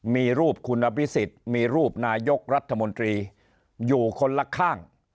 มีรูปคุณอภิษฎมีรูปนายกรัฐมนตรีอยู่คนละข้าง